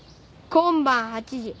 今晩８時。